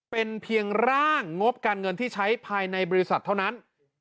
เป็นเพียงร่างงบการเงินที่ใช้ภายในบริษัทเท่านั้น